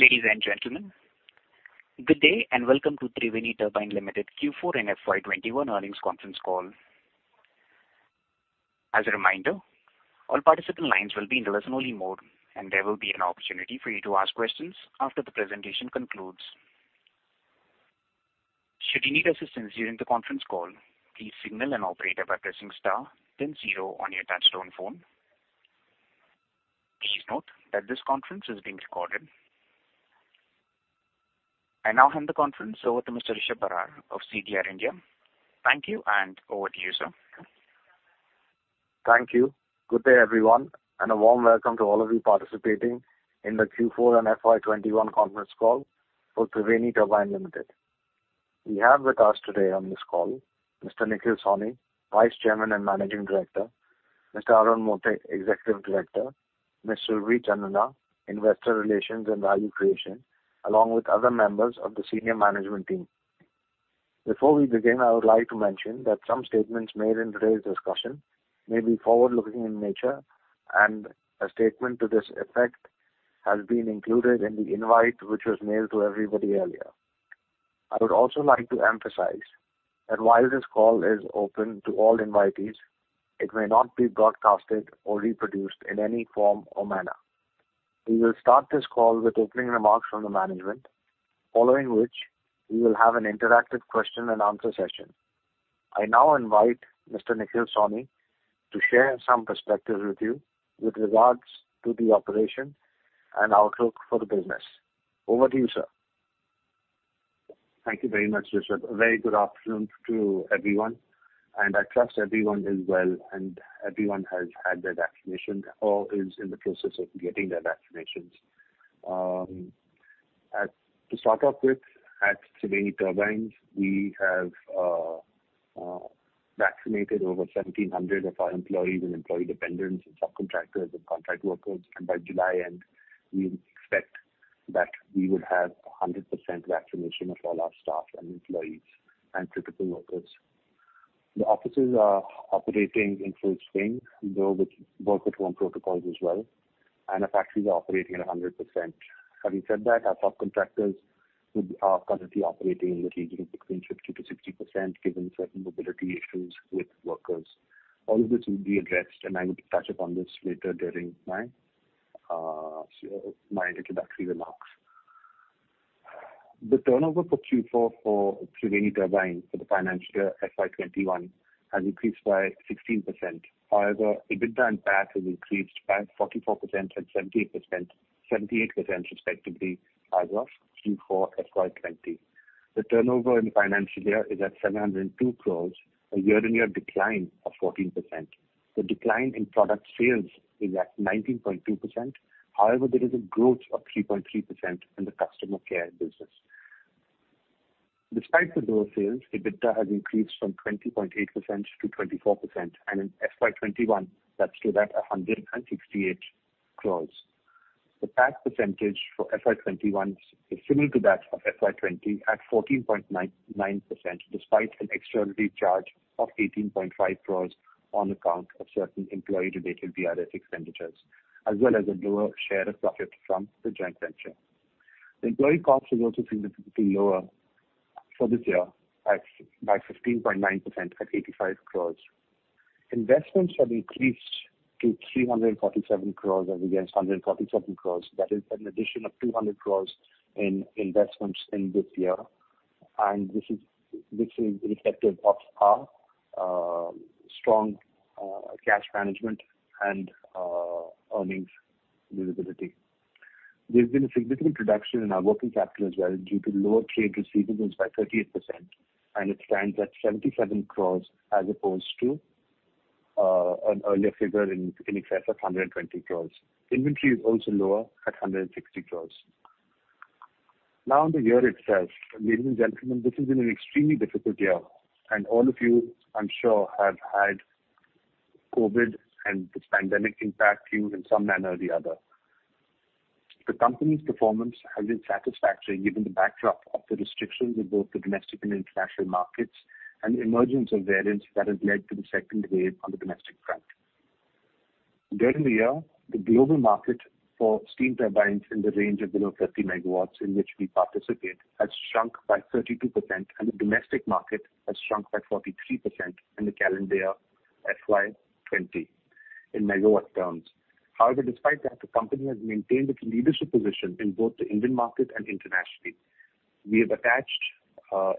Ladies and gentlemen, good day and welcome to Triveni Turbine Limited Q4 and FY 2021 earnings conference call. As a reminder, all participant lines will be in listen only mode, and there will be an opportunity for you to ask questions after the presentation concludes. Should you need assistance during the conference call, please signal an operator by pressing star then zero on your touch-tone phone. Please note that this conference is being recorded. I now hand the conference over to Mr. Rishab Barar of CDR India. Thank you, and over to you, sir. Thank you. Good day, everyone, and a warm welcome to all of you participating in the Q4 and FY 2021 conference call for Triveni Turbine Limited. We have with us today on this call Mr. Nikhil Sawhney, Vice Chairman and Managing Director, Mr. Arun Mote, Executive Director, Ms. Surabhi Chandna, Investor Relations and Value Creation, along with other members of the senior management team. Before we begin, I would like to mention that some statements made in today's discussion may be forward-looking in nature and a statement to this effect has been included in the invite which was mailed to everybody earlier. I would also like to emphasize that while this call is open to all invitees, it may not be broadcasted or reproduced in any form or manner. We will start this call with opening remarks from the management, following which we will have an interactive question-and-answer session. I now invite Mr. Nikhil Sawhney to share some perspectives with you with regards to the operation and outlook for the business. Over to you, sir. Thank you very much, Rishab. A very good afternoon to everyone, and I trust everyone is well and everyone has had their vaccination or is in the process of getting their vaccinations. To start off with, at Triveni Turbine, we have vaccinated over 1,700 of our employees and employee dependents and subcontractors and contract workers. By July end, we expect that we would have 100% vaccination of all our staff and employees and critical workers. The offices are operating in full swing, though with work at home protocols as well, and our factories are operating at 100%. Having said that, our subcontractors are currently operating in the region between 50%-60%, given certain mobility issues with workers. All of this will be addressed, and I will touch upon this later during my introductory remarks. The turnover for Q4 for Triveni Turbine for the financial year FY 2021 has increased by 16%. EBITDA and PAT has increased by 44% and 78%, respectively, over Q4 FY 2020. The turnover in the financial year is at 702 crores, a year-on-year decline of 14%. The decline in product sales is at 19.2%. There is a growth of 3.3% in the customer care business. Despite the lower sales, EBITDA has increased from 20.8% to 24%, and in FY 2021, that stood at 168 crores. The PAT percentage for FY 2021 is similar to that of FY 2020 at 14.9%, despite an extraordinary charge of 18.5 crores on account of certain employee related VRS expenditures as well as a lower share of profit from the joint venture. The employee cost was also significantly lower for this year by 15.9% at 85 crores. Investments have increased to 347 crores as against 147 crores. That is an addition of 200 crores in investments in this year. This is reflective of our strong cash management and earnings visibility. There's been a significant reduction in our working capital as well due to lower trade receivables by 38%. It stands at 77 crores as opposed to an earlier figure in excess of 120 crores. Inventory is also lower at 160 crores. Now on the year itself. Ladies and gentlemen, this has been an extremely difficult year. All of you, I'm sure, have had COVID and this pandemic impact you in some manner or the other. The company's performance has been satisfactory given the backdrop of the restrictions in both the domestic and international markets. The emergence of variants has led to the second wave on the domestic front. During the year, the global market for steam turbines in the range of below 50 megawatts, in which we participate, has shrunk by 32%, and the domestic market has shrunk by 43% in the calendar year FY 2020 in megawatt terms. However, despite that, the company has maintained its leadership position in both the Indian market and internationally. We have attached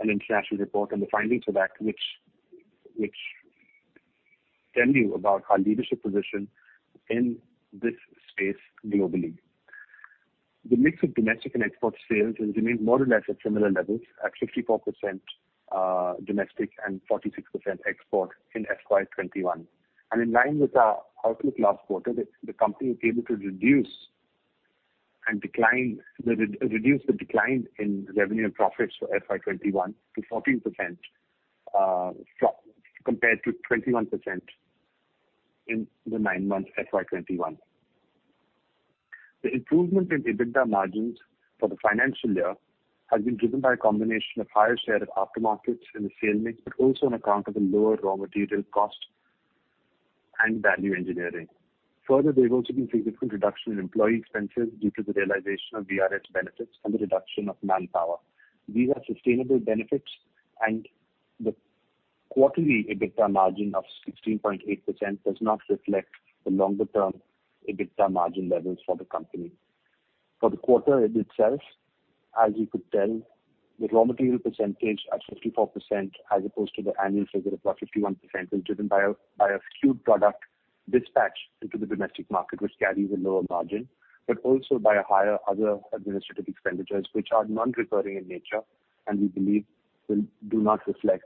an international report and the findings of that which tell you about our leadership position in this space globally. The mix of domestic and export sales has remained more or less at similar levels at 54% domestic and 46% export in FY 2021. In line with our outlook last quarter, the company was able to reduce the decline in revenue and profits for FY 2021 to 14% compared to 21% in the nine months FY 2021. The improvement in EBITDA margins for the financial year has been driven by a combination of higher share of aftermarkets in the sale mix, but also on account of the lower raw material cost and value engineering. Further, there has also been a significant reduction in employee expenses due to the realization of VRS benefits and the reduction of manpower. These are sustainable benefits, and the quarterly EBITDA margin of 16.8% does not reflect the longer-term EBITDA margin levels for the company. For the quarter in itself, as you could tell, the raw material percentage at 54% as opposed to the annual figure of 51% is driven by a skewed product dispatched into the domestic market, which carries a lower margin, but also by higher other administrative expenditures, which are non-recurring in nature and we believe do not reflect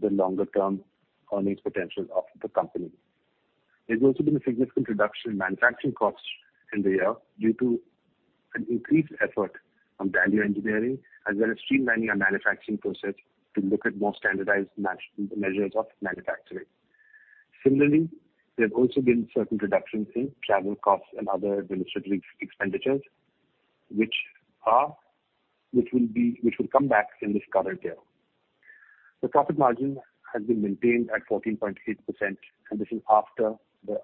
the longer-term earning potential of the company. There's also been a significant reduction in manufacturing costs in the year due to an increased effort on value engineering as well as streamlining our manufacturing process to look at more standardized measures of manufacturing. Similarly, there have also been certain reductions in travel costs and other administrative expenditures which will come back in this current year. The profit margin has been maintained at 14.8%, and this is after the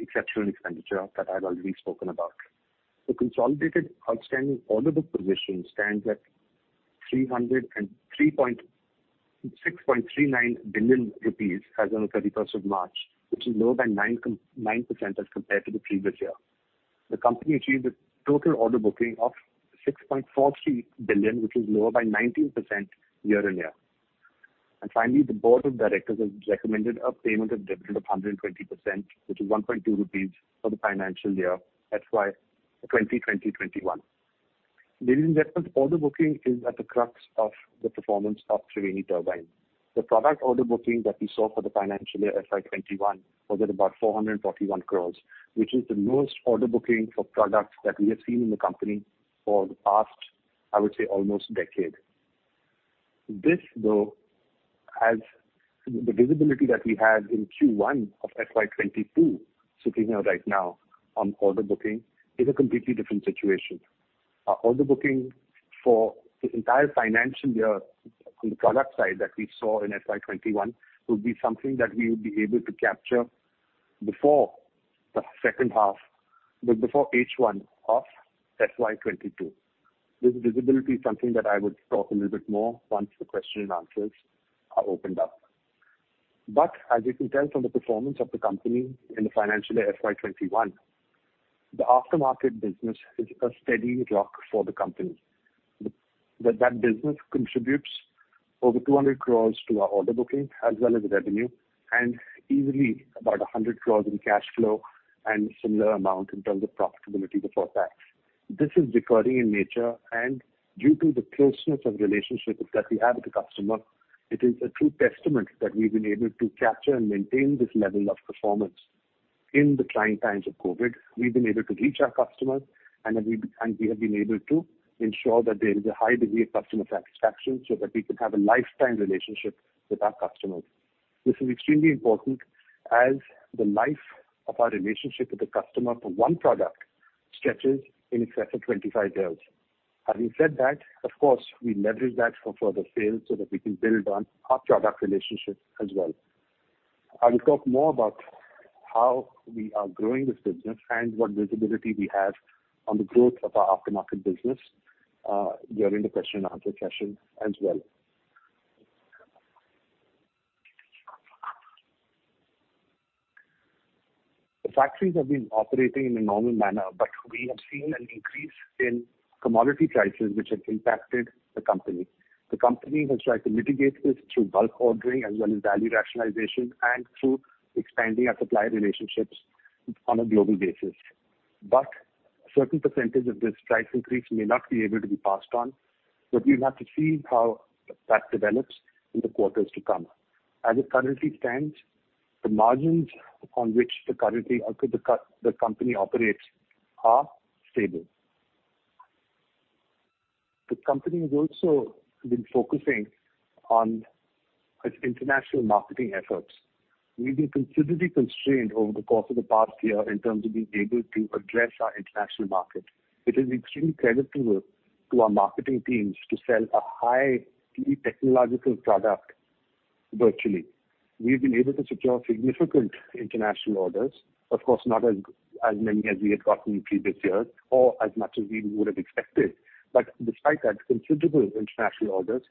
exceptional expenditure that I've already spoken about. The consolidated outstanding order book position stands at 306.39 billion rupees as on the 31st of March, which is lower by 9% as compared to the previous year. The company achieved a total order booking of 6.43 billion, which is lower by 19% year-on-year. Finally, the board of directors has recommended a payment of dividend of 120%, which is 1.2 rupees for the financial year FY 2020/21. Ladies and gentlemen, order booking is at the crux of the performance of Triveni Turbine. The product order booking that we saw for the financial year FY 2021 was at about 441 crores, which is the most order booking for products that we have seen in the company for the past, I would say almost a decade. This though has the visibility that we had in Q1 of FY 2022 sitting here right now on order booking is a completely different situation. Our order booking for the entire financial year from product side that we saw in FY 2021 will be something that we will be able to capture before the second half, but before H1 of FY 2022. This visibility is something that I would talk a little bit more once the question and answers are opened up. As you can tell from the performance of the company in the financial year FY 2021, the aftermarket business is a steady rock for the company. That business contributes over 200 crore to our order booking as well as revenue, and easily about 100 crore in cash flow and similar amount in terms of profitability before tax. This is recurring in nature, and due to the closeness of relationships that we have with the customer, it is a true testament that we've been able to capture and maintain this level of performance in the trying times of COVID. We've been able to reach our customers, and we have been able to ensure that there is a high degree of customer satisfaction so that we could have a lifetime relationship with our customers. This is extremely important as the life of our relationship with the customer for one product stretches in excess of 25 years. Having said that, of course, we leverage that for further sales so that we can build on our product relationship as well. I will talk more about how we are growing this business and what visibility we have on the growth of our aftermarket business during the question-and-answer session as well. The factories have been operating in a normal manner, we have seen an increase in commodity prices which has impacted the company. The company has tried to mitigate this through bulk ordering as well as value rationalization and through expanding our supply relationships on a global basis. A certain percentage of this price increase may not be able to be passed on, so we'll have to see how that develops in the quarters to come. As it currently stands, the margins on which the company operates are stable. The company has also been focusing on its international marketing efforts. We've been considerably constrained over the course of the past year in terms of being able to address our international market, which is extremely creditable to our marketing teams to sell a high technological product virtually. We've been able to secure significant international orders. Of course, not as many as we had gotten in previous years or as much as we would have expected. Despite that, considerable international orders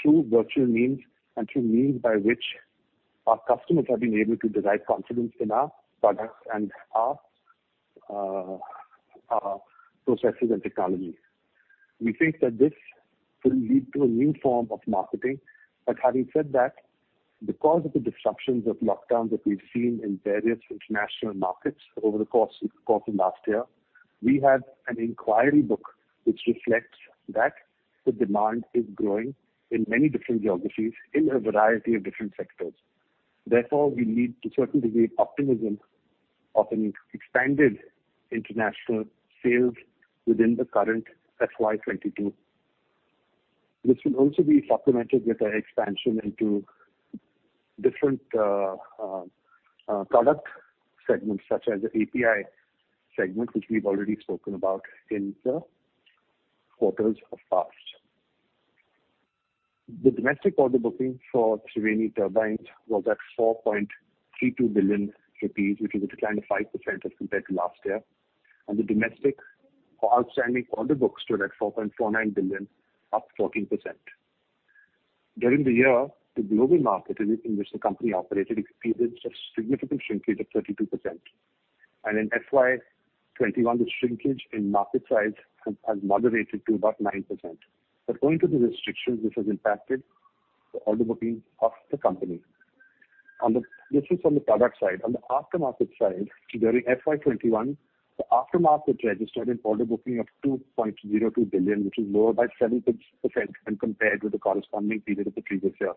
through virtual means and through means by which our customers have been able to derive confidence in our products and our processes and technology. We think that this will lead to a new form of marketing. Having said that, because of the disruptions of lockdown that we've seen in various international markets over the course of last year, we have an inquiry book which reflects that the demand is growing in many different geographies in a variety of different sectors. Therefore, we lead to a certain degree of optimism of an expanded international sales within the current FY 2022. This will also be supplemented with our expansion into different product segments such as the API segment, which we've already spoken about in the quarters of past. The domestic order booking for Triveni Turbine was at 4.32 billion rupees, which is a decline of 5% as compared to last year. The domestic outstanding order book stood at 4.49 billion, up 14%. During the year, the global market in which the company operated experienced a significant shrinkage of 32%. In FY 2021, the shrinkage in market size has moderated to about 9%. Owing to the restrictions, this has impacted the order booking of the company. This is on the product side. On the aftermarket side, during FY 2021, the aftermarket registered an order booking of 2.02 billion, which is lower by 7% when compared with the corresponding period of the previous year.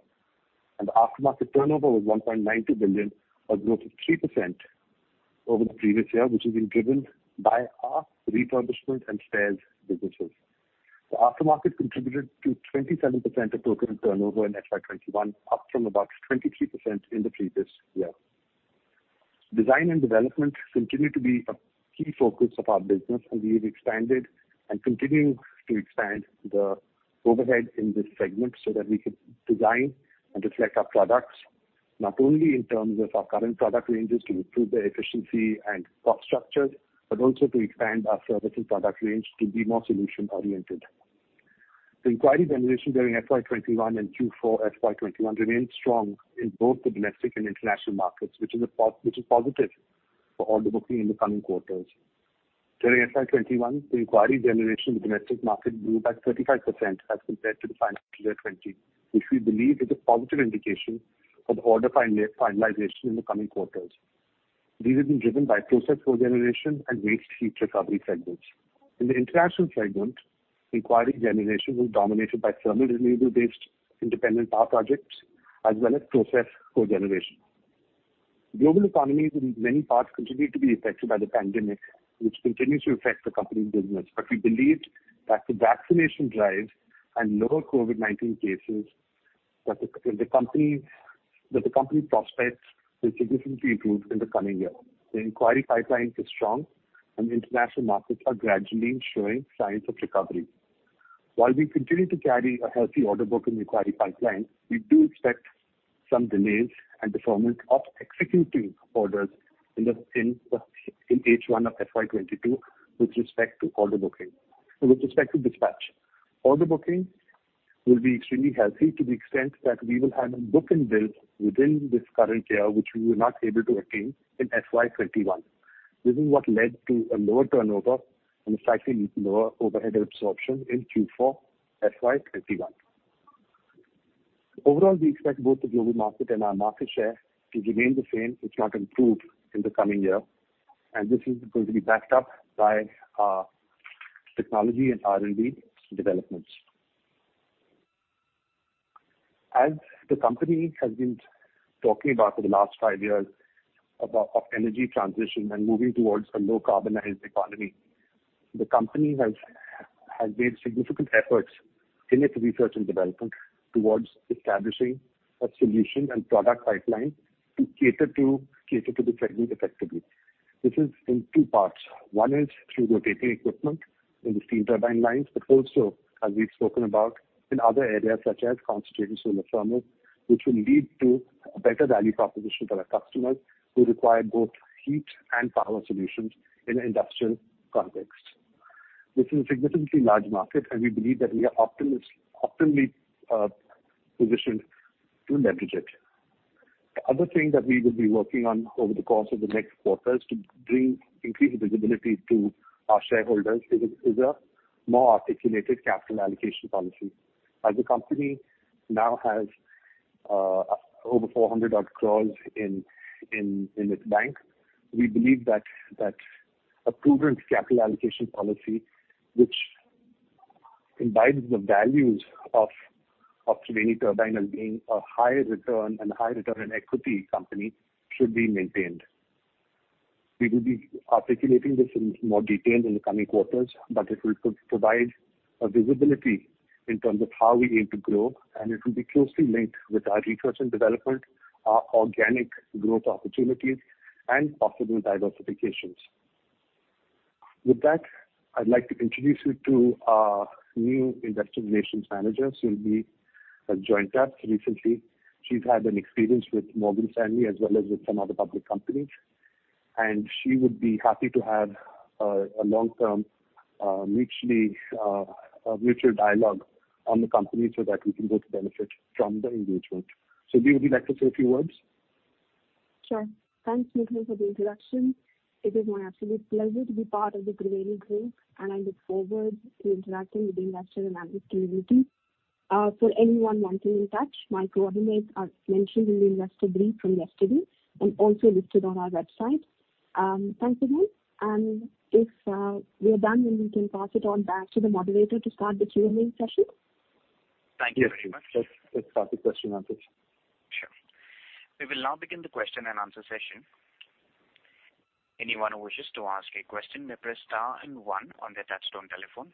The aftermarket turnover was 1.92 billion, a growth of 3% over the previous year, which has been driven by our refurbishment and spares businesses. The aftermarket contributed to 27% of total turnover in FY 2021, up from about 23% in the previous year. Design and development continue to be a key focus of our business, and we have expanded and continue to expand the overhead in this segment so that we could design and select our products, not only in terms of our current product ranges to improve their efficiency and cost structures, but also to expand our services product range to be more solution-oriented. The inquiry generation during FY 2021 and Q4 FY 2021 remains strong in both the domestic and international markets, which is positive for order booking in the coming quarters. During FY 2021, the inquiry generation in the domestic market grew by 35% as compared to the financial year 2020, which we believe is a positive indication of the order finalization in the coming quarters. These have been driven by process cogeneration and waste heat recovery segments. In the International segment, inquiry generation was dominated by thermal renewable-based independent power projects as well as process cogeneration. Global economies in many parts continue to be affected by the pandemic, which continues to affect the company's business. We believe that the vaccination drive and lower COVID-19 cases, that the company prospects will significantly improve in the coming year. The inquiry pipelines are strong, and the international markets are gradually showing signs of recovery. While we continue to carry a healthy order book and inquiry pipeline, we do expect some delays and deferment of executing orders in H1 of FY 2022 With respect to dispatch. Order booking will be extremely healthy to the extent that we will have a book and build within this current year, which we were not able to attain in FY 2021. This is what led to a lower turnover and a slightly lower overhead absorption in Q4 FY 2021. We expect both the global market and our market share to remain the same, if not improve, in the coming year. This is going to be backed up by our technology and R&D developments. As the company has been talking about for the last five years, of energy transition and moving towards a low-carbonized economy. The company has made significant efforts in its research and development towards establishing a solution and product pipeline to cater to the segment effectively. This is in two parts. One is through rotating equipment in the steam turbine lines, but also, as we've spoken about in other areas such as concentrated solar thermal, which will lead to a better value proposition for our customers who require both heat and power solutions in an industrial context. This is a significantly large market, and we believe that we are optimally positioned to leverage it. The other thing that we will be working on over the course of the next quarter is to bring increased visibility to our shareholders is a more articulated capital allocation policy. As the company now has over 400 odd crores in its bank, we believe that a prudent capital allocation policy which imbibes the values of Triveni Turbine as being a high return and high return on equity company should be maintained. We will be articulating this in more detail in the coming quarters, but it will provide a visibility in terms of how we aim to grow, and it will be closely linked with our research and development, our organic growth opportunities, and possible diversifications. With that, I'd like to introduce you to our new Investor Relations manager. Silvi has joined us recently. She's had an experience with Morgan Stanley as well as with some other public companies, and she would be happy to have a long-term mutual dialogue on the company so that we can both benefit from the engagement. Silvi, would you like to say a few words? Sure. Thanks, Nikhil, for the introduction. It is my absolute pleasure to be part of the Triveni group, and I look forward to interacting with the investor and analyst community. For anyone wanting to reach me, my coordinates are mentioned in the investor brief from yesterday and also listed on our website. Thanks, again. If we are done, then we can pass it on back to the moderator to start the Q&A session. Thank you very much. Yes. Let's start the question and answer. Sure. We will now begin the question-and-answer session. Anyone who wishes to ask a question may press star and one on their touch-tone telephone.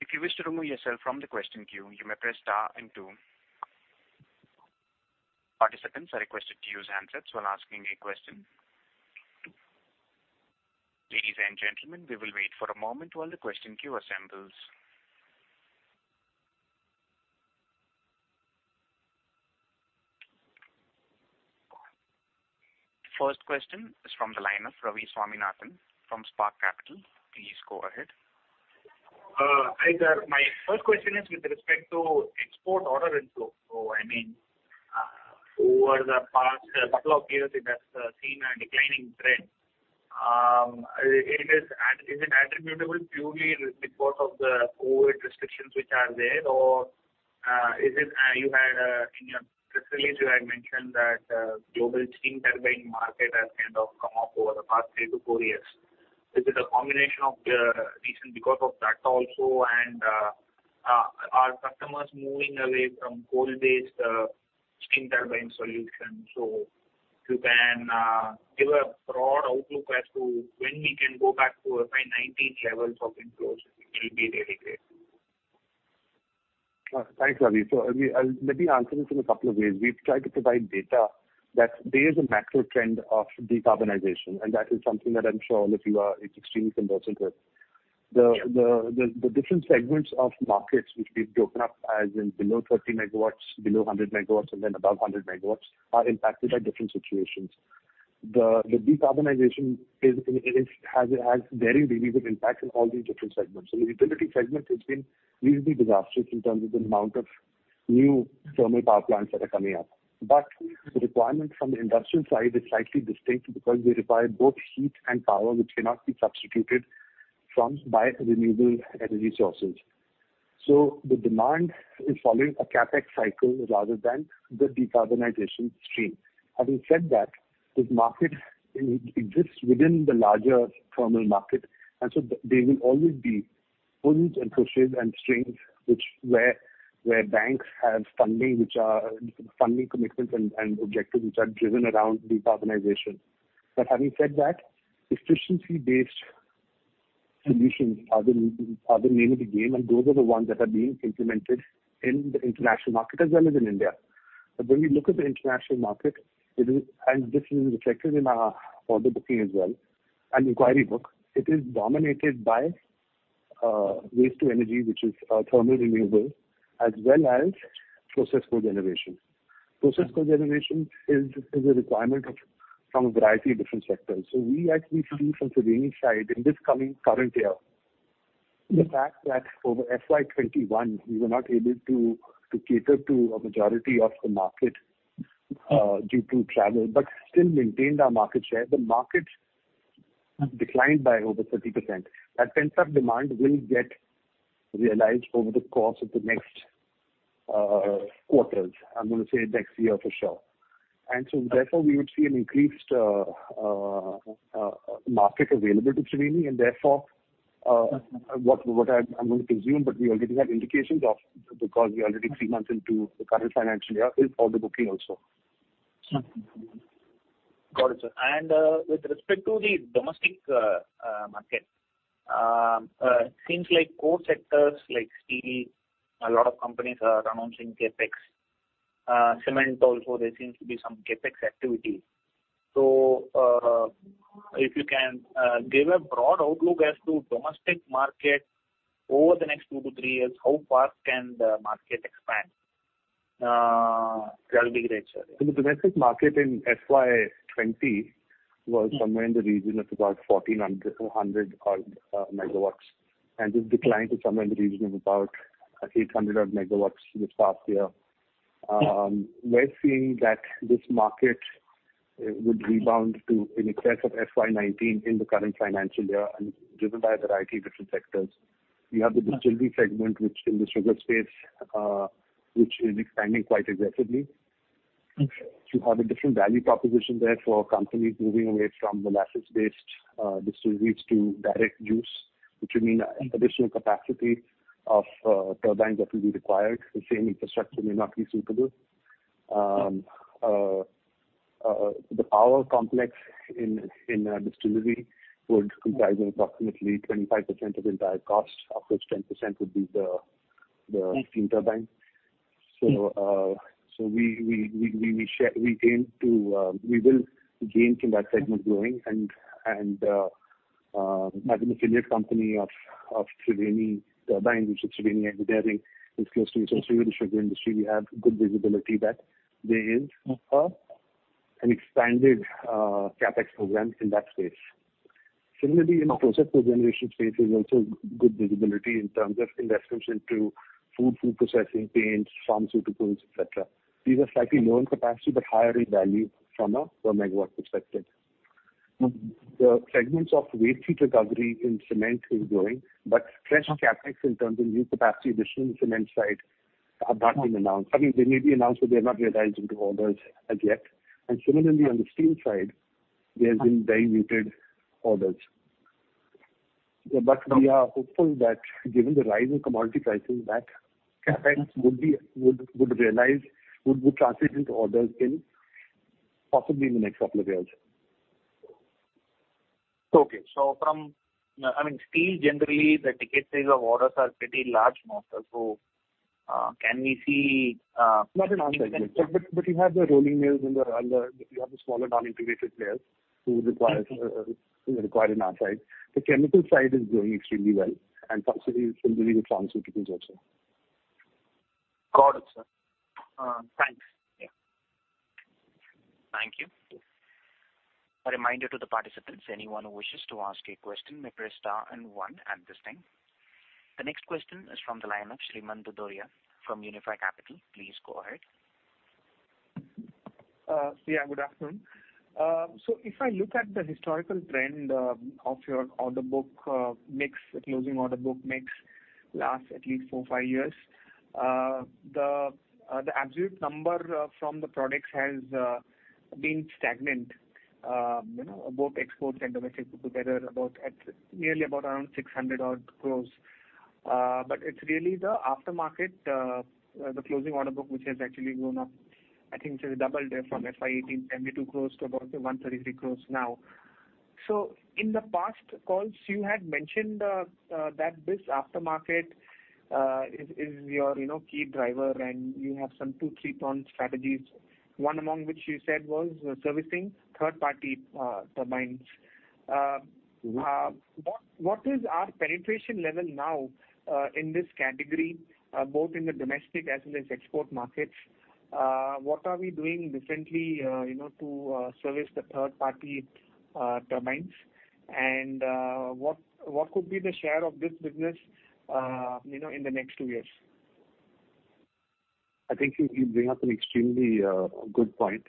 If you wish to remove yourself from the question queue, you may press star and two. Participants are requested to use handsets when asking a question. Ladies and gentlemen, we will wait for a moment while the question queue assembles. First question is from the line of Ravi Swaminathan from Spark Capital. Please go ahead. Hi, sir. My first question is with respect to export order inflow. Over the past two years, it has seen a declining trend. Is it attributable purely because of the COVID restrictions which are there? Or in your press release, you had mentioned that global steam turbine market has come up over the past 3-4 years. Is it a combination of the reason because of that also, and are customers moving away from coal-based steam turbine solutions? If you can give a broad outlook as to when we can go back to FY 2019 levels of inflows, it will be really great. Thanks, Ravi. Let me answer this in two ways. We've tried to provide data that there is a macro trend of decarbonization, and that is something that I'm sure all of you are extremely conversant with. Sure. The different segments of markets which we've broken up as in below 30 megawatts, below 100 megawatts, and then above 100 megawatts are impacted by different situations. The decarbonization has very visible impact in all these different segments. The Utility segment has been reasonably disastrous in terms of the amount of new thermal power plants that are coming up. The requirement from the industrial side is slightly distinct because they require both heat and power, which cannot be substituted by renewable energy sources. The demand is following a CapEx cycle rather than the decarbonization stream. Having said that, this market exists within the larger thermal market. There will always be pulls and pushes and strains where banks have funding commitments and objectives which are driven around decarbonization. Having said that, efficiency-based solutions are the name of the game, and those are the ones that are being implemented in the international market as well as in India. When we look at the international market, and this is reflected in our order booking as well and inquiry book, it is dominated by waste to energy, which is thermal renewable as well as process cogeneration. Process cogeneration is a requirement from a variety of different sectors. We actually see from Triveni's side in this coming current year, the fact that over FY 2021, we were not able to cater to a majority of the market due to travel, but still maintained our market share. The market declined by over 30%. That pent-up demand will get realized over the course of the next quarters, I'm going to say next year for sure. Therefore, we would see an increased market available to Triveni, and therefore, what I'm going to presume, but we already have indications of because we're already three months into the current financial year is order booking also. Got it, sir. With respect to the domestic market, it seems like core sectors like steel, a lot of companies are announcing CapEx. Cement also, there seems to be some CapEx activity. If you can give a broad outlook as to domestic market over the next two to three years, how fast can the market expand? That will be great, sir. The domestic market in FY 2020 was somewhere in the region of about 1,400 MW, and this declined to somewhere in the region of about 800 odd MW this past year. We're seeing that this market would rebound to in excess of FY 2019 in the current financial year and driven by a variety of different sectors. We have the Distillery segment, which in the sugar space, which is expanding quite aggressively. You have a different value proposition there for companies moving away from molasses-based distilleries to direct use, which would mean an additional capacity of turbines that will be required. The same infrastructure may not be suitable. The power complex in a distillery would comprise approximately 25% of the entire cost, of which 10% would be the steam turbine. We will gain from that segment growing. As an affiliate company of Triveni Turbine, which is Triveni Engineering, is close to the sugar industry. We have good visibility that there is an expanded CapEx program in that space. Similarly, in the process cogeneration space, there's also good visibility in terms of investments into food processing, paints, pharmaceuticals, et cetera. These are slightly lower in capacity, but higher in value from a per megawatt perspective. The segments of waste heat recovery in cement is growing, but fresh CapEx in terms of new capacity addition in cement side have not been announced. I mean, they may be announced, but they have not realized into orders as yet. Similarly, on the steel side, there's been very muted orders. We are hopeful that given the rise in commodity prices, that CapEx would translate into orders possibly in the next couple of years. Okay. From steel, generally, the ticket sales of orders are pretty large amounts. Can we see? Not in oxide, you have the rolling mills and you have the smaller non-integrated players who require an oxide. The chemical side is growing extremely well, and possibly similarly with pharmaceuticals also. Got it, sir. Thanks. Yeah. Thank you. A reminder to the participants, anyone who wishes to ask a question, may press star and one at this time. The next question is from the line of Sriman Dudoria from Unifi Capital. Please go ahead. Yeah, good afternoon. If I look at the historical trend of your order book mix, the closing order book mix, last at least four or five years, the absolute number from the products has been stagnant. Both exports and domestic put together at nearly about 600 odd crores. It's really the Aftermarket, the closing order book, which has actually gone up, I think it has doubled from FY 2018, 1,002 crores to about 133 crores now. In the past calls, you had mentioned that this Aftermarket is your key driver, and you have some two, three pawn strategies. One among which you said was servicing third-party turbines. What is our penetration level now in this category, both in the domestic as well as export markets? What are we doing differently to service the third-party turbines? What could be the share of this business in the next two years? I think you bring up an extremely good point.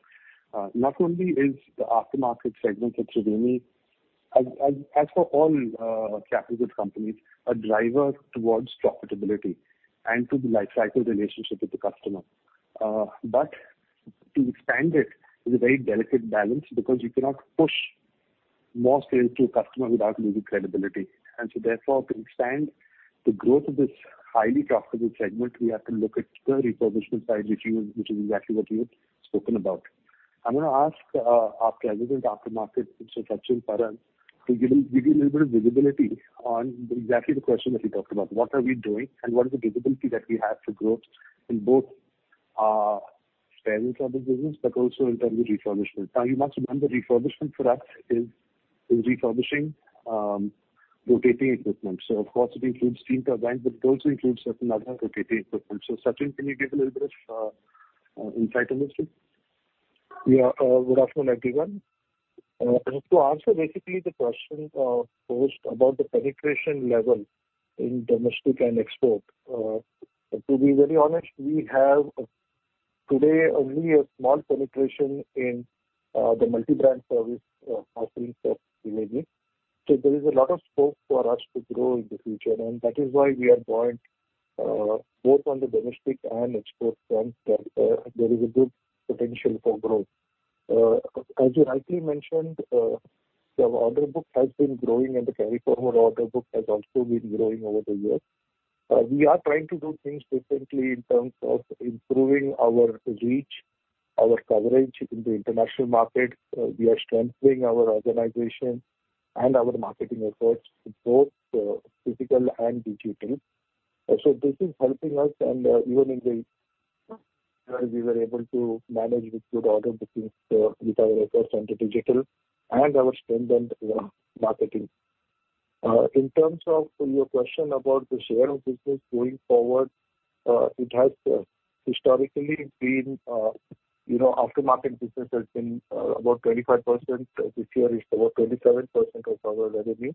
Not only is the aftermarket segment at Triveni, as for all capital goods companies, a driver towards profitability and to the lifecycle relationship with the customer. To expand it is a very delicate balance because you cannot push more sales to a customer without losing credibility. Therefore, to expand the growth of this highly profitable segment, we have to look at the refurbishment side, which is exactly what you have spoken about. I'm going to ask our President, Aftermarket, Mr. Sachin Parab, to give you a little bit of visibility on exactly the question that we talked about, what are we doing and what is the visibility that we have for growth in both our spare and service business, but also in terms of refurbishment. You must remember, refurbishment for us is refurbishing rotating equipment. Of course, it includes steam turbines, but it also includes certain other rotating equipment. Sachin, can you give a little bit of insight on this, please? Yeah. Good afternoon, everyone. To answer basically the question posed about the penetration level in domestic and export. To be very honest, we have today only a small penetration in the multi-brand service offering for Triveni. There is a lot of scope for us to grow in the future, and that is why we are going both on the domestic and export front, that there is a good potential for growth. As you rightly mentioned, the order book has been growing and the carry forward order book has also been growing over the years. We are trying to do things differently in terms of improving our reach, our coverage in the international market. We are strengthening our organization and our marketing efforts in both physical and digital. This is helping us and even in the where we were able to manage the good order bookings with our efforts into digital and our strength in marketing. In terms of your question about the share of business going forward, it has historically been, aftermarket business has been about 25%. This year it's about 27% of our revenue.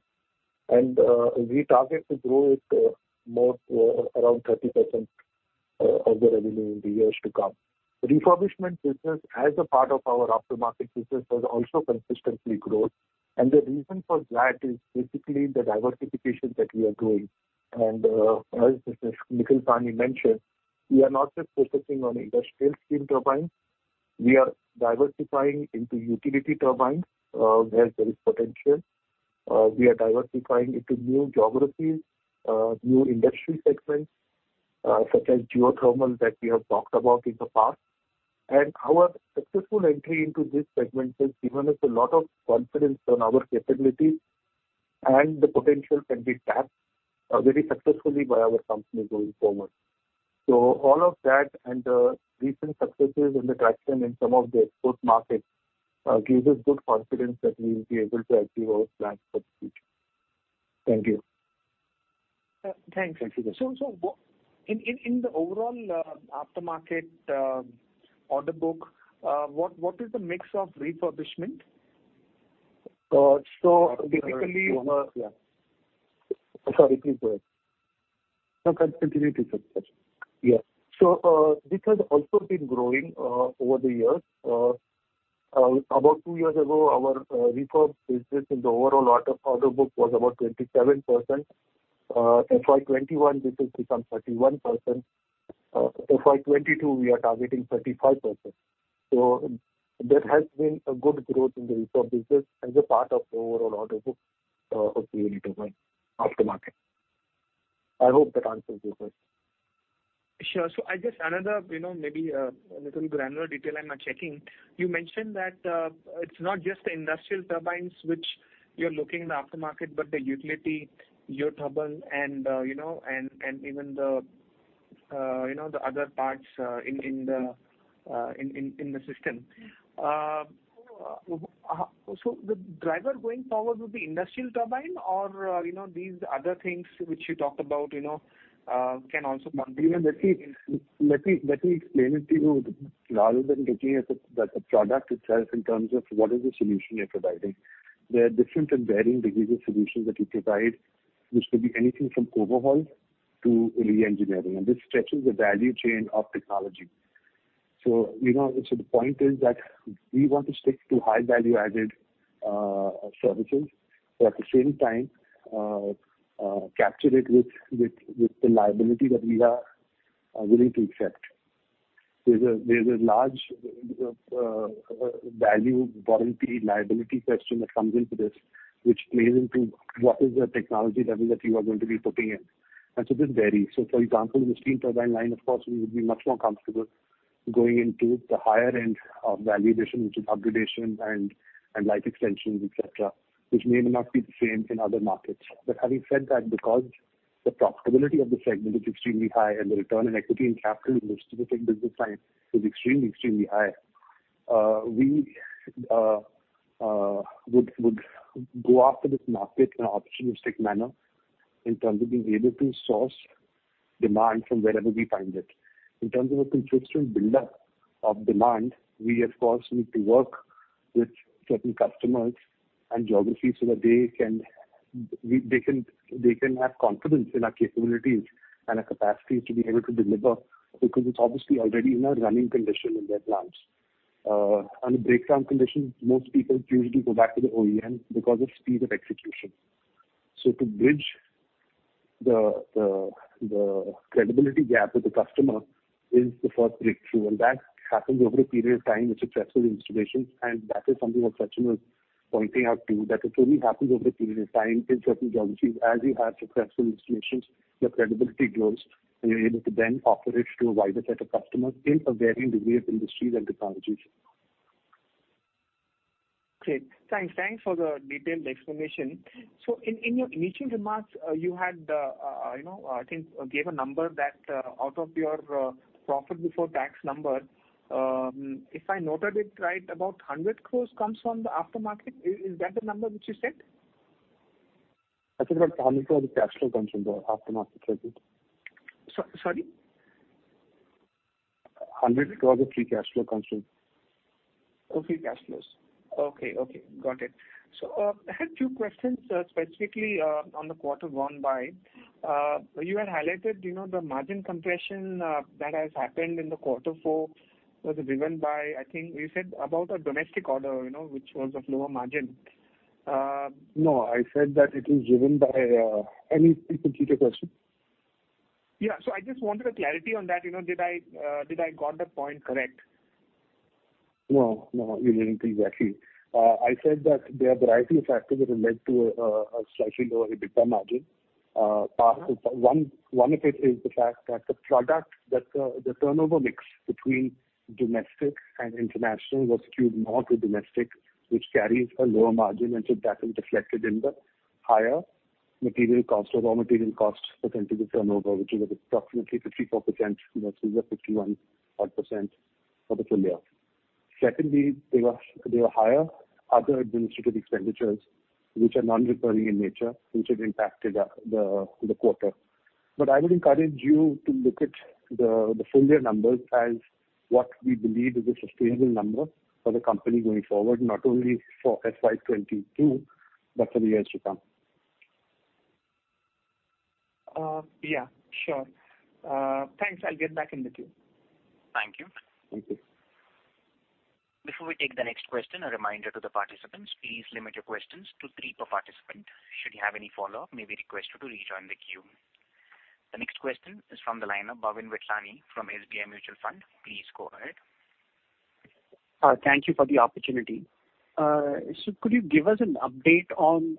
We target to grow it more to around 30% of the revenue in the years to come. Refurbishment business as a part of our aftermarket business has also consistently grown, and the reason for that is basically the diversification that we are doing. As Mr. Nikhil Sawhney mentioned, we are not just focusing on industrial steam turbines, we are diversifying into utility turbines, where there is potential. We are diversifying into new geographies, new industry segments, such as geothermal that we have talked about in the past. Our successful entry into these segments has given us a lot of confidence on our capabilities, and the potential can be tapped very successfully by our company going forward. All of that and the recent successes and the traction in some of the export markets gives us good confidence that we will be able to achieve our plans for the future. Thank you. Thanks, Sachin. In the overall aftermarket order book, what is the mix of refurbishment? Sorry, please go ahead. No, continue please, Sachin. Yeah. This has also been growing over the years. About two years ago, our refurb business in the overall order book was about 27%. FY 2021, this has become 31%. FY 2022, we are targeting 35%. There has been a good growth in the refurb business as a part of the overall order book of Triveni Turbine aftermarket. I hope that answers your question. Sure. I guess another maybe a little granular detail I'm checking. You mentioned that it's not just the industrial turbines which you're looking in the aftermarket, but the utility, your turbine, and even the other parts in the system. The driver going forward would be industrial turbine or these other things which you talked about can also contribute? Let me explain it to you. Rather than looking at the product itself in terms of what is the solution you're providing, there are different and varying degrees of solutions that we provide, which could be anything from overhaul to re-engineering. This stretches the value chain of technology. The point is that we want to stick to high value added services, but at the same time, capture it with the liability that we are willing to accept. There's a large value warranty liability question that comes into this, which plays into what is the technology that we are going to be putting in. This varies. For example, the steam turbine line, of course, we would be much more comfortable going into the higher end of value addition, which is upgradation and life extensions, et cetera, which may not be the same in other markets. Having said that, because the profitability of the segment is extremely high and the return on equity and capital in this specific business line is extremely high, we would go after this market in an opportunistic manner in terms of being able to source demand from wherever we find it. In terms of a consistent buildup of demand, we of course, need to work with certain customers and geographies so that they can have confidence in our capabilities and our capacity to be able to deliver because it's obviously already in a running condition in their plants. Under breakdown conditions, most people choose to go back to the OEM because of speed of execution. To bridge the credibility gap with the customer is the first breakthrough, and that happens over a period of time with successful installations. That is something that Sachin was pointing out to you, that it only happens over a period of time in certain geographies. As you have successful installations, your credibility grows, and you're able to then offer it to a wider set of customers in varying degrees of industries and technologies. Great. Thanks for the detailed explanation. In your initial remarks, you, I think, gave a number that out of your profit before tax number, if I noted it right, about 100 crores comes from the aftermarket. Is that the number which you said? I said about 100 crore of free cash flow comes from the aftermarket. Sorry? 100 crores of free cash flow comes from. Oh, free cash flows. Okay. Got it. I had two questions specifically on the quarter gone by. You had highlighted the margin compression that has happened in the quarter four was driven by, I think you said about a domestic order which was of lower margin. No, can you please repeat your question? Yeah. I just wanted a clarity on that, did I got that point correct? No, you didn't exactly. I said that there are variety of factors that have led to a slightly lower EBITDA margin. One of it is the fact that the product, the turnover mix between domestic and international was skewed more to domestic, which carries a lower margin. That is reflected in the higher material cost or raw material cost percentage of turnover, which is approximately 54%, versus the 51 odd % for the full year. Secondly, there were higher other administrative expenditures, which are non-recurring in nature, which has impacted the quarter. I would encourage you to look at the full year numbers as what we believe is a sustainable number for the company going forward, not only for FY 2022, but for years to come. Yeah, sure. Thanks. I'll get back in the queue. Thank you. Thank you. Before we take the next question, a reminder to the participants, please limit your questions to three per participant. Should you have any follow-up, you may be requested to rejoin the queue. The next question is from the line of Bhavin Vithlani from SBI Mutual Fund. Please go ahead. Thank you for the opportunity. Could you give us an update on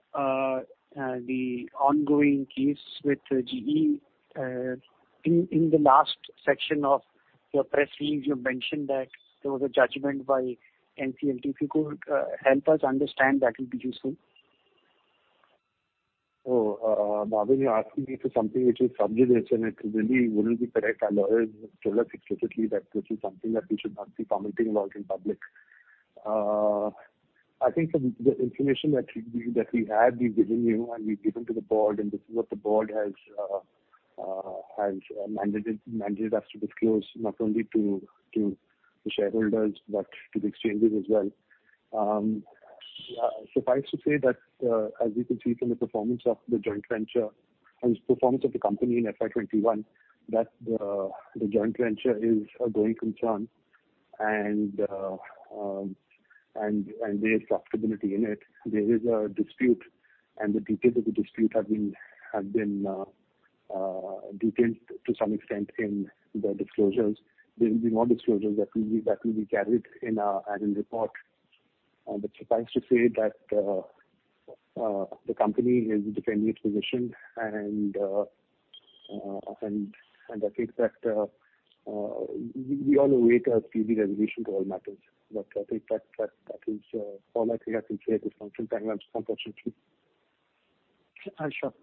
the ongoing case with GE? In the last section of your press release, you mentioned that there was a judgment by NCLT. If you could help us understand, that will be useful. Bhavin Vithlani, you're asking me for something which is sub judice, and it really wouldn't be correct. Our lawyers have told us explicitly that this is something that we should not be commenting about in public. I think the information that we have, we've given you and we've given to the board, and this is what the board has mandated us to disclose, not only to the shareholders, but to the exchanges as well. Suffice to say that, as you can see from the performance of the joint venture and performance of the company in FY 2021, that the joint venture is a going concern and there's profitability in it. There is a dispute, and the details of the dispute have been detailed to some extent in the disclosures. There will be more disclosures that will be carried in our annual report. Suffice to say that the company is defending its position. I think that we are on the way to a speedy resolution to all matters, but I think that is more likely going to create a functional time lapse, unfortunately. Sure.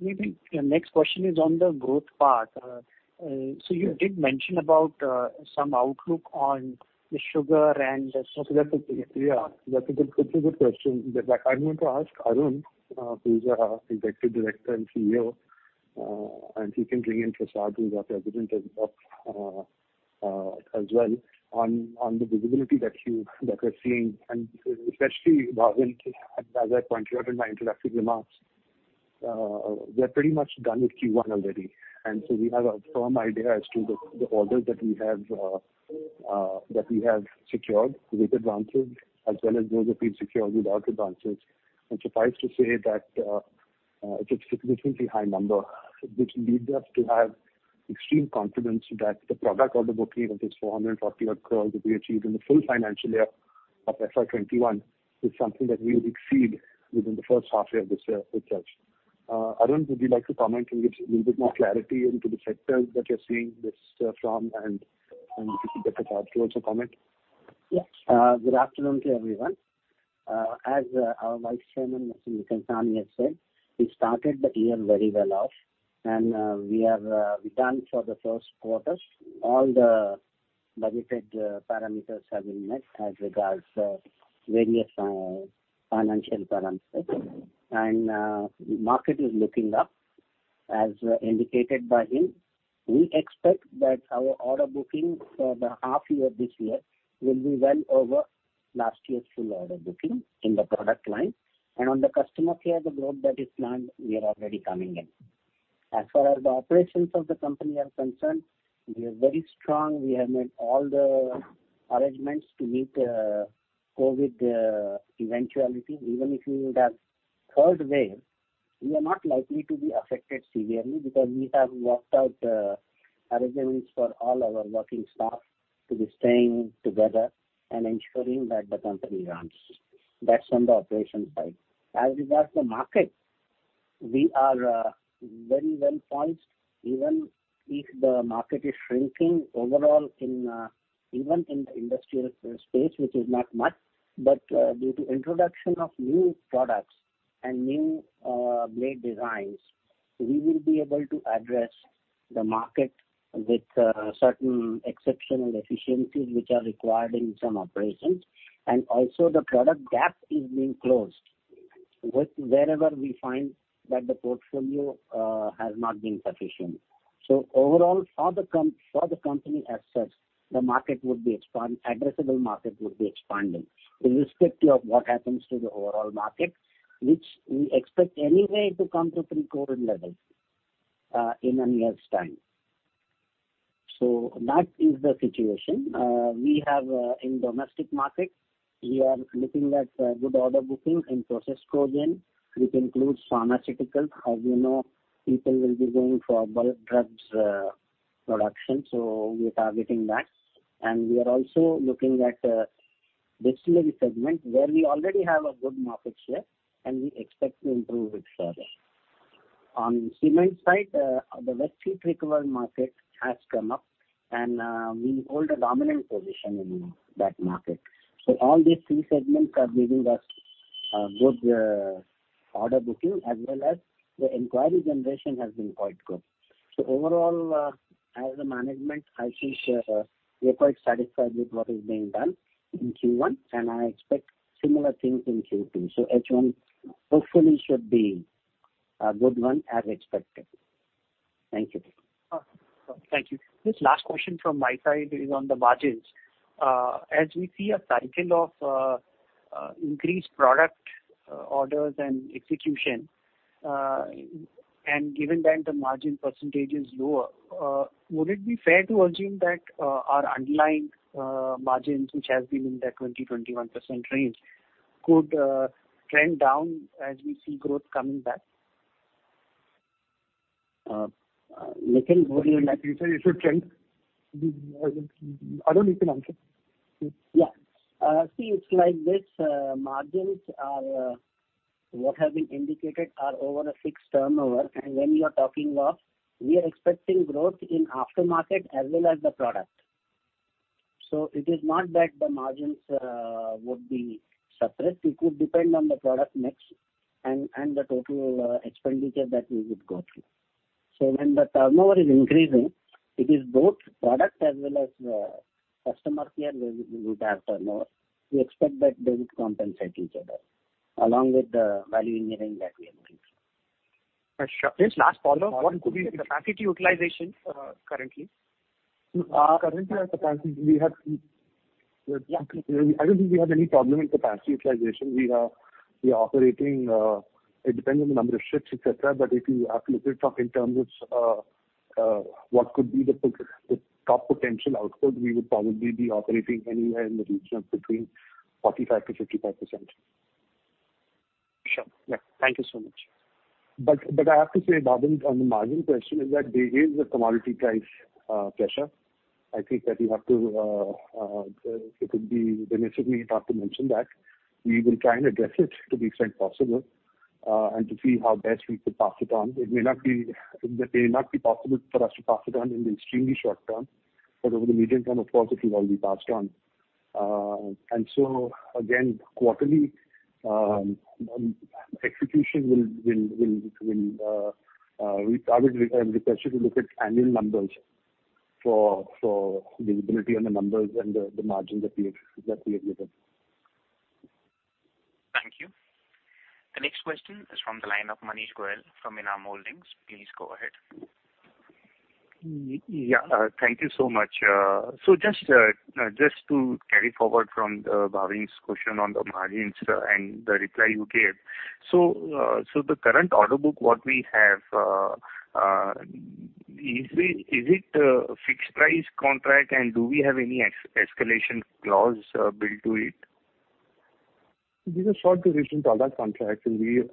Maybe the next question is on the growth part. You did mention about some outlook on the sugar. That's a pretty good question that I'm going to ask Arun, who's our Executive Director and CEO, and he can bring in Prasad, who's our President as well, on the visibility that we're seeing, and especially, Bhavin, as I pointed out in my introductory remarks, we're pretty much done with Q1 already. We have a firm idea as to the orders that we have secured with advances as well as those that we've secured without advances. Suffice to say that it's a significantly high number, which leads us to have extreme confidence that the product order booking of this 440 crore that we achieved in the full financial year of FY 2021 is something that we will exceed within the first half-year of this year itself. Arun, would you like to comment and give a little bit more clarity into the sectors that you're seeing this from, and if you can get Prasad to also comment? Yes. Good afternoon to everyone. As our Vice Chairman, Mr. Nikhil Sawhney has said, we started the year very well off, and we are done for the first quarter. All the budgeted parameters have been met as regards various financial parameters. The market is looking up, as indicated by him. We expect that our order bookings for the half year this year will be well over last year's full order bookings in the product line. On the customer care, the growth that is planned, we are already coming in. As far as the operations of the company are concerned, we are very strong. We have made all the arrangements to meet COVID eventuality. Even if we would have third wave, we are not likely to be affected severely because we have worked out arrangements for all our working staff to be staying together and ensuring that the company runs. That's on the operations side. As regards the market, we are very well poised. Even if the market is shrinking overall, even in the industrial space, which is not much, but due to introduction of new products and new blade designs, we will be able to address the market with certain exceptional efficiencies which are required in some operations. Also the product gap is being closed wherever we find that the portfolio has not been sufficient. Overall, for the company as such, the addressable market would be expanding irrespective of what happens to the overall market, which we expect anyway to come to pre-COVID levels in a year's time. That is the situation. In domestic market, we are looking at good order booking in process cogeneration, which includes pharmaceuticals. As you know, people will be going for bulk drugs production, so we're targeting that. We are also looking at Distillery segment where we already have a good market share, and we expect to improve it further. On cement side, the waste heat recovery market has come up, and we hold a dominant position in that market. All these three segments are giving us good order booking as well as the inquiry generation has been quite good. Overall, as a management, I think we're quite satisfied with what is being done in Q1, and I expect similar things in Q2. H1 hopefully should be a good one as expected. Thank you. Thank you. Just last question from my side is on the margins. As we see a cycle of increased product orders and execution and given that the margin percentage is lower, would it be fair to assume that our underlying margins, which has been in that 20%, 21% range, could trend down as we see growth coming back? Nikhil, what are your? You said it should trend? Arun, you can answer. Yeah. See, it's like this. Margins, what have been indicated are over a fixed turnover. When we are expecting growth in aftermarket as well as the product. It is not that the margins would be suppressed. It could depend on the product mix and the total expenditure that we would go through. When the turnover is increasing, it is both product as well as customer care where we would have turnover. We expect that they would compensate each other along with the value engineering that we are doing. Sure. Just last follow-up, what could be the capacity utilization currently? Currently, our capacity, I don't think we have any problem with capacity utilization. We are operating, it depends on the number of shifts, et cetera, but if you have to look it up in terms of what could be the top potential output, we would probably be operating anywhere in the region of between 45%-55%. Sure. Yeah. Thank you so much. I have to say, Bhavin, on the margin question is that there is a commodity price pressure. I think that it would be remiss of me not to mention that we will try and address it to the extent possible, and to see how best we could pass it on. It may not be possible for us to pass it on in the extremely short term, but over the medium term, of course, it will all be passed on. Again, quarterly execution. I would request you to look at annual numbers for visibility on the numbers and the margins that we have looked at. Thank you. The next question is from the line of Manish Goyal from ENAM Holdings. Please go ahead. Yeah. Thank you so much. Just to carry forward from Bhavin's question on the margins and the reply you gave. The current order book, what we have, is it a fixed price contract, and do we have any escalation clause built to it? These are short duration product contracts, and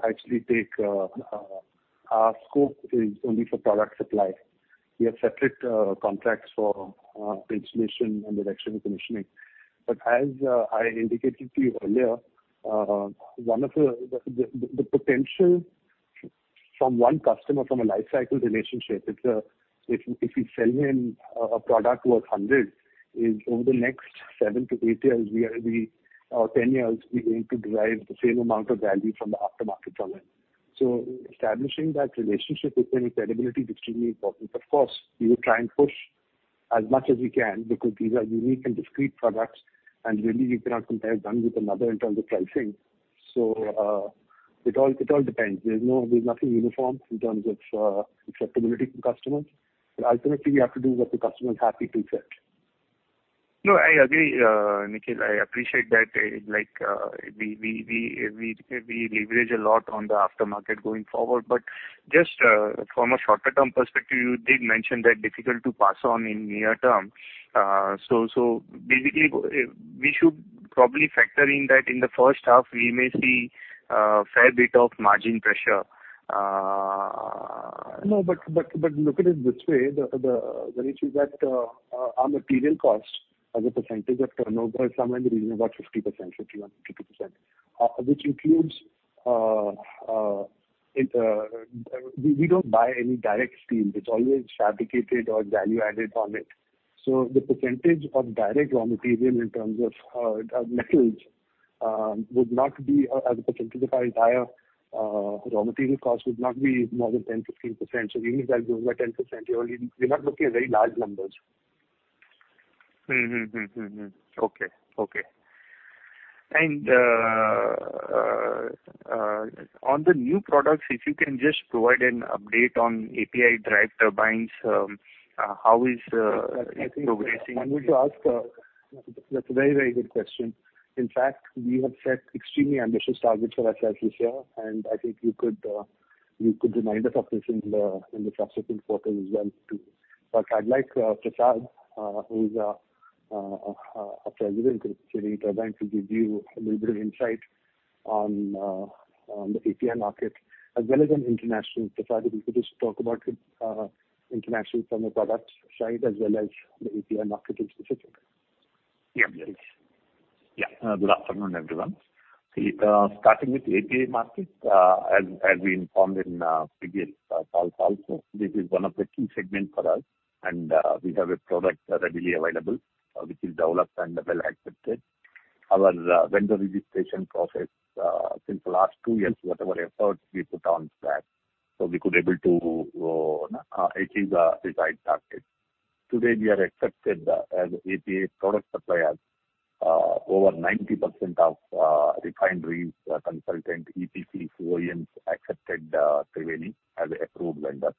our scope is only for product supply. We have separate contracts for installation and erection and commissioning. As I indicated to you earlier, the potential from one customer from a life cycle relationship, if we sell him a product worth 100, is over the next 7 to 10 years, we're going to derive the same amount of value from the aftermarket from him. Establishing that relationship with them, its credibility is extremely important. Of course, we will try and push as much as we can because these are unique and discrete products, and really you cannot compare one with another in terms of pricing. It all depends. There's nothing uniform in terms of acceptability from customers. Ultimately, we have to do what the customer is happy to accept. I agree, Nikhil. I appreciate that. We leverage a lot on the aftermarket going forward. Just from a shorter term perspective, you did mention that difficult to pass on in near term. We should probably factor in that in the first half, we may see a fair bit of margin pressure. Look at it this way. The issue is that our material cost as a percentage of turnover is somewhere in the region of about 50%. We don't buy any direct steel. It's always fabricated or value added on it. The percentage of direct raw material in terms of metals, as a percentage of our entire raw material cost, would not be more than 10%-15%. Even if that goes by 10% yearly, we're not looking at very large numbers. Mm-hmm. Okay. On the new products, if you can just provide an update on API drive turbines. How is it progressing? That's a very, very good question. In fact, we have set extremely ambitious targets for ourselves this year, and I think you could remind us of this in the subsequent quarter as well, too. I'd like Prasad, who's our president at Triveni Turbine, to give you a little bit of insight on the API market as well as on international. Prasad, if you could just talk about international from a product side as well as the API market in specific. Yeah. Good afternoon, everyone. Starting with API market, as we informed in previous calls also, this is one of the key segments for us. We have a product readily available, which is developed and well accepted. Our vendor registration process, since the last two years, whatever efforts we put on that, we could able to achieve the desired target. Today, we are accepted as API product suppliers. Over 90% of refineries, consultant, EPCs, OEMs accepted Triveni as a approved vendor.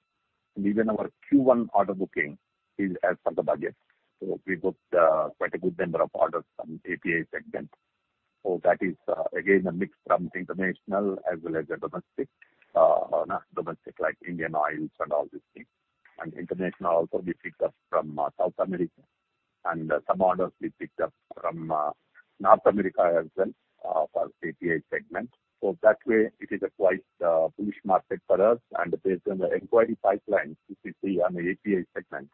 Even our Q1 order booking is as per the budget. We booked quite a good number of orders from API segment. That is again, a mix from international as well as the domestic, like Indian Oil and all these things. International also we picked up from South America and some orders we picked up from North America as well for API segment. That way it is a quite bullish market for us. Based on the inquiry pipeline, if you see on the API segment,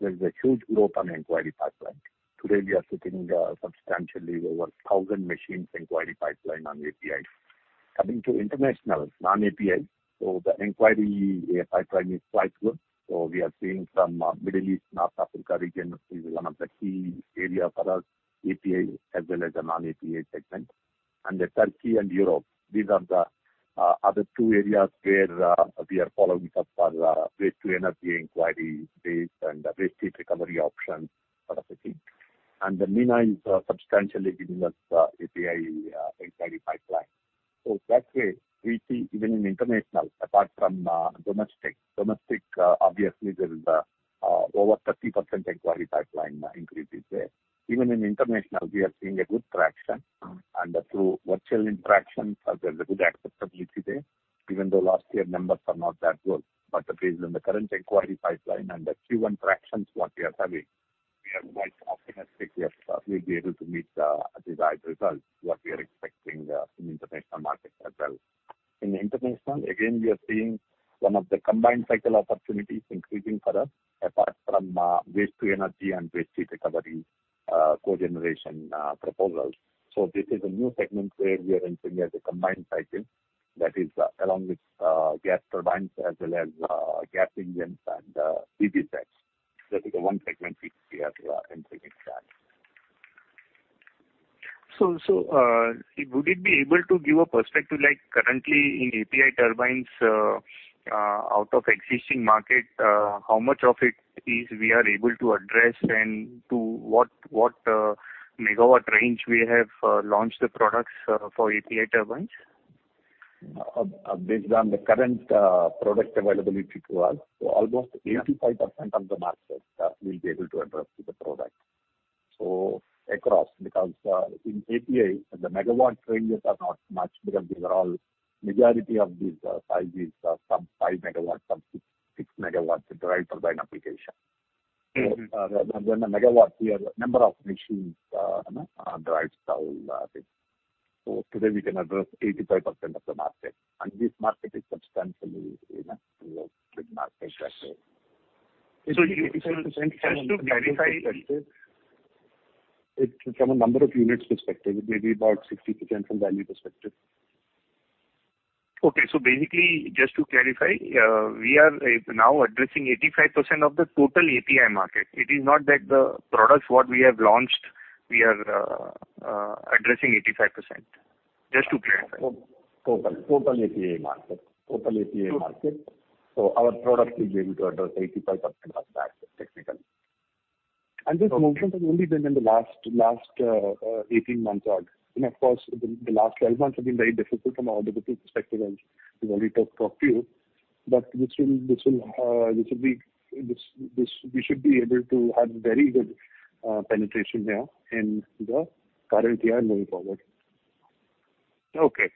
there is a huge growth on inquiry pipeline. Today, we are sitting substantially over 1,000 machines inquiry pipeline on APIs. Coming to international, non-API, the inquiry pipeline is quite good. We are seeing some Middle East, North Africa region is one of the key area for us, API as well as the non-API segment. Turkey and Europe, these are the other two areas where we are following up for waste-to-energy inquiry base and waste heat recovery options sort of a thing. The MENA is substantially giving us API inquiry pipeline. That way we see even in international, apart from domestic. Domestic, obviously there is over 30% inquiry pipeline increase is there. Even in international, we are seeing a good traction. Through virtual interactions, there's a good acceptability there, even though last year numbers are not that good. Based on the current inquiry pipeline and the Q1 tractions what we are having, we are quite optimistic we'll be able to meet the desired results, what we are expecting in international market as well. In international, again, we are seeing one of the combined cycle opportunities increasing for us, apart from waste to energy and waste heat recovery cogeneration proposals. This is a new segment where we are entering as a combined cycle. That is, along with gas turbines as well as gas engines and HRSGs. That is the one segment which we are entering into that. Would you be able to give a perspective, like currently in API turbines, out of existing market, how much of it we are able to address and to what megawatt range we have launched the products for API turbines? Based on the current product availability to us, almost 85% of the market we'll be able to address with the product. Because in API, the megawatt ranges are not much because majority of these sizes are some 5 MW, some 6 MW drive turbine application. A megawatt, we have a number of machines, drives out of it. Today we can address 85% of the market, and this market is substantially enough to a good market share. Just to clarify. From a number of units perspective, maybe about 60% from value perspective. Okay. Basically, just to clarify, we are now addressing 85% of the total API market. It is not that the products what we have launched, we are addressing 85%. Just to clarify. Total API market. Our products will be able to address 85% of that technically. This growth has only been in the last 18 months odd. Of course, the last 12 months have been very difficult from a market perspective, and we've already talked of few, but we should be able to have very good penetration there in the current year and moving forward. Okay.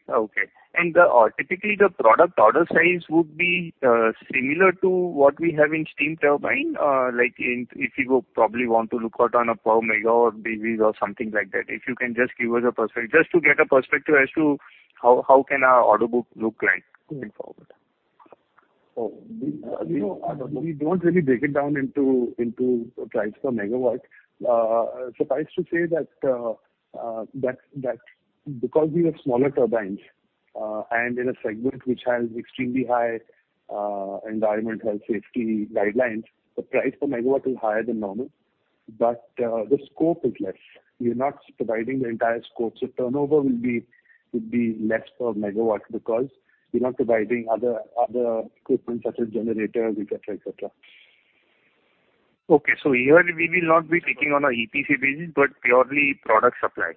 Typically the product order size would be similar to what we have in steam turbine. Like if you probably want to look at on a per MW basis or something like that. If you can just give us a perspective, just to get a perspective as to how can our order book look like going forward. We don't really break it down into price per megawatt. Suffice to say that because we have smaller turbines and in a segment which has extremely high environmental safety guidelines, the price per megawatt is higher than normal, but the scope is less. We are not providing the entire scope, so turnover will be less per megawatt because we are not providing other equipment such as generators, et cetera. Okay. Here we will not be taking on a EPC business, but purely product supply.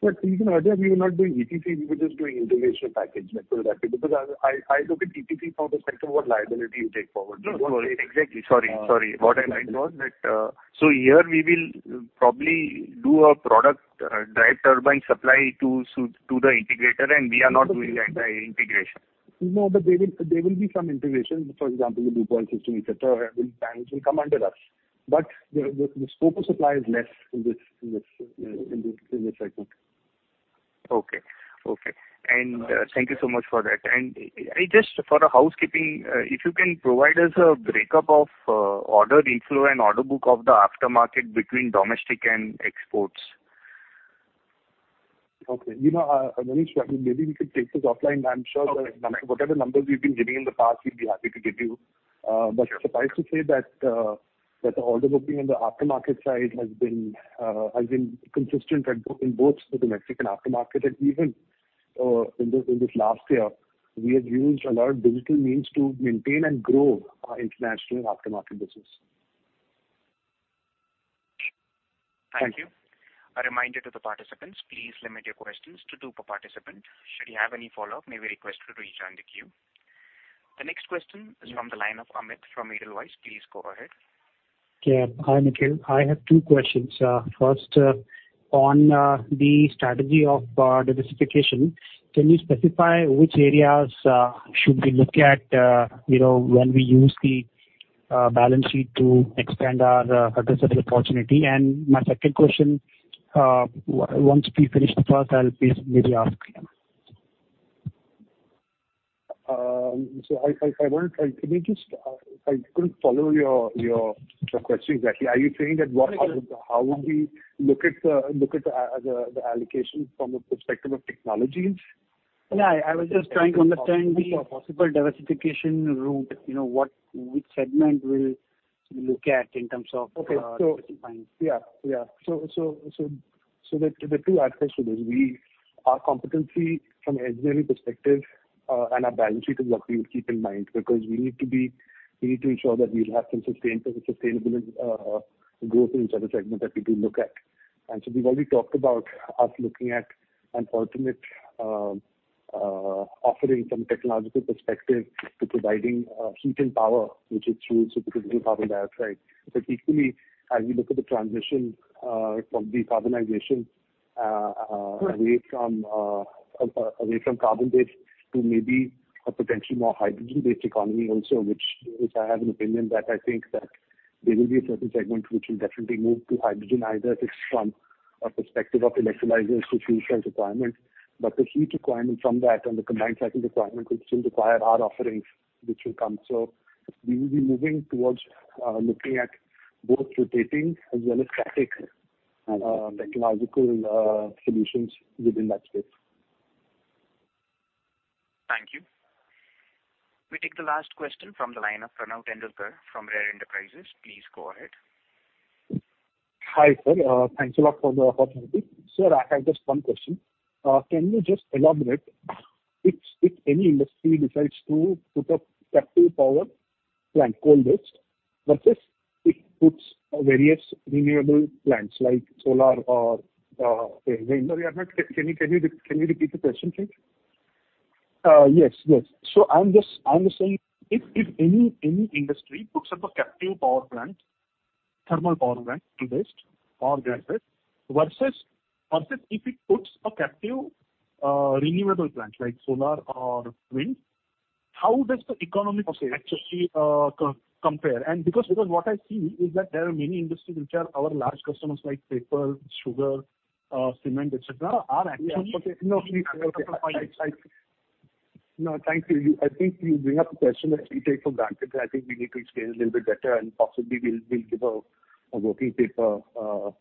In other we're not doing EPC, we're just doing integration package level. I look at EPC from the perspective of what liability you take forward. Exactly. Sorry about that note. Here we will probably do a product drive turbine supply to the integrator, and we are not doing the integration. No, there will be some integration. For example, the lube oil system, et cetera, will come under us, but the scope of supply is less in this segment. Okay. Thank you so much for that. Just for a housekeeping, if you can provide us a breakup of order inflow and order book of the aftermarket between domestic and exports. Okay. Manish, maybe we can take this offline. I'm sure whatever numbers we've been giving in the past, we'll be happy to give you. Suffice to say that the order book in the aftermarket side has been consistent in both domestic and aftermarket. Even in this last year, we have used a lot of digital means to maintain and grow our international aftermarket business. Thank you. A reminder to the participants, please limit your questions to two per participant. Should you have any follow-up, may we request you to rejoin the queue. The next question is from the line of Amit from Edelweiss. Please go ahead. Yeah. Hi, Nikhil. I have two questions. First, on the strategy of diversification, can you specify which areas should we look at when we use the balance sheet to expand our opportunity? My second question, once we finish the first, I'll maybe ask you. I wonder, I couldn't follow your question exactly. Are you saying that how would we look at the allocation from a perspective of technology? Yeah, I was just trying to understand the possible diversification route, which segment we'll look at in terms of. The two aspects to this, our competency from engineering perspective and our balance sheet is what we will keep in mind, because we need to ensure that we have sustainable growth in terms of segment that we can look at. We've already talked about us looking at an alternate offering from a technological perspective to providing heat and power, which is through the carbon dioxide. Equally, as we look at the transition from decarbonization away from carbon-based to maybe a potentially more hydrogen-based economy also, which I have an opinion that I think that there will be a certain segment which will definitely move to hydrogen, either it's from a perspective of electrolyzers to future requirements. The heat requirement from that and the combined cycle requirement will still require our offerings, which will come. We will be moving towards looking at both rotating as well as static technological solutions within that space. Thank you. We take the last question from the line of Pranav Tendolkar from Rare Enterprises. Please go ahead. Hi, sir. Thanks a lot for the opportunity. Sir, I have just one question. Can you just elaborate, if any industry decides to put a captive power plant, coal-based, versus it puts various renewable plants like solar or wind? Pranav, can you repeat the question, please? Yes. I'm just saying, if any industry puts up a captive power plant, thermal power plant invest or granted, versus if it puts a captive renewable plant like solar or wind, how does the economics actually compare? Because what I've seen is that there are many industries which are our large customers, like paper, sugar, cement, et cetera. Yeah. No, thank you. I think we have a question that we take for granted that I think we need to explain a little bit better and possibly we'll give a working paper for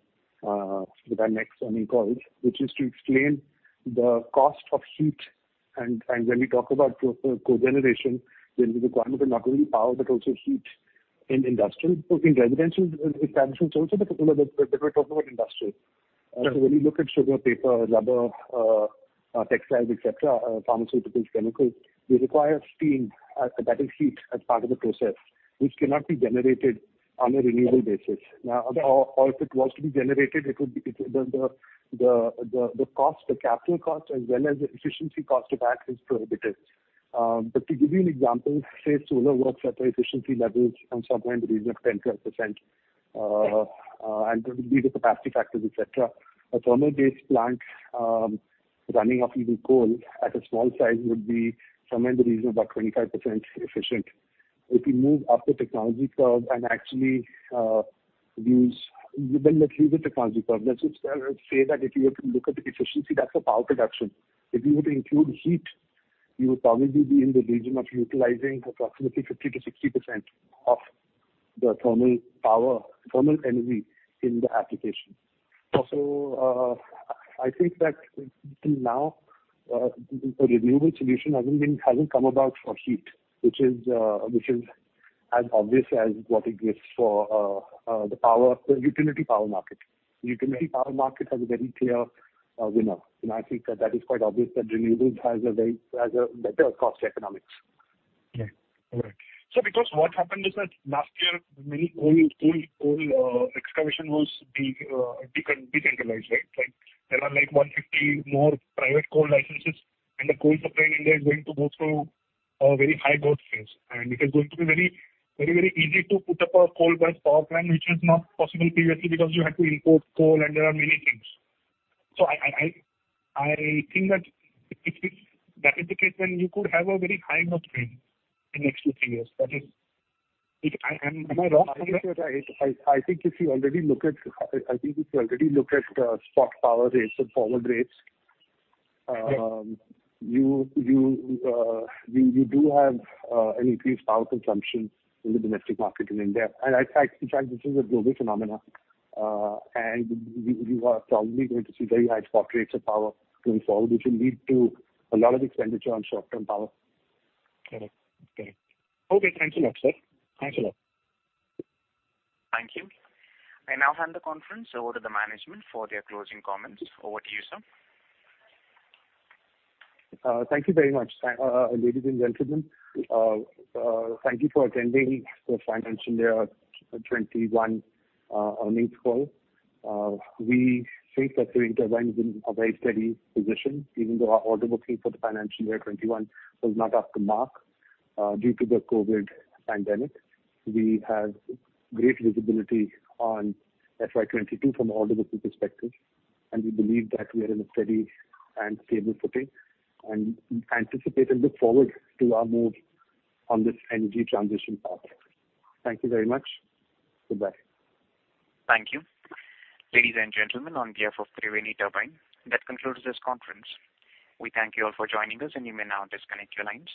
our next earnings call, which is to explain the cost of heat. When we talk about cogeneration, there'll be requirement of not only power, but also heat in industrial. In residential establishments also, but we're talking about industrial. When you look at sugar, paper, rubber, textiles, et cetera, pharmaceuticals, chemicals, they require steam, that is heat as part of the process, which cannot be generated on a renewable basis. Now, or if it was to be generated, the capital cost as well as the efficiency cost of that is prohibitive. To give you an example, say solar works at an efficiency level on some point in the region of 10%-12%, and it will be the capacity factors, et cetera. A thermal-based plant running off even coal at a small size would be somewhere in the region of about 25% efficient. If you move up the technology curve and actually use even the cheapest technology curve, let's just say that if you have to look at the efficiency, that's a power production. If you were to include heat, you would probably be in the region of utilizing approximately 50%-60% of the thermal energy in the application. I think that until now, the renewable solution hasn't come about for heat, which is as obvious as what exists for the utility power market. The utility power market has a very clear winner, and I think that is quite obvious that renewables has a better cost economics. Right. Okay. Because what happened is that last year, many coal exploration was decolonized, right? There are 150 more private coal licenses and the coal supply in India is going to go through a very high growth phase. It is going to be very easy to put up a coal-based power plant which was not possible previously because you had to import coal under many things. I think that if that is the case, then you could have a very high margin in next few years. I think. Am I wrong? I think if you already look at spot power rates and power grids you do have an increased power consumption in the domestic market in India. I think this is a global phenomenon. We are probably going to see very high spot rates of power going forward, which will lead to a lot of expenditure on short-term power. Okay. Thank you a lot, sir. Thank you. I now hand the conference over to management for their closing comments. Over to you, sir. Thank you very much. Ladies and gentlemen, thank you for attending the financial year 2021 earnings call. We think that Triveni Turbine is in a very steady position, even though our order book for the financial year 2021 was not up to mark due to the COVID pandemic. We have great visibility on FY 2022 from all order book perspectives, and we believe that we are in a steady and stable footing, and we anticipate and look forward to our move on this energy transition path. Thank you very much. Goodbye. Thank you. Ladies and gentlemen on behalf of Triveni Turbine, that concludes this conference. We thank you all for joining us. You may now disconnect your lines.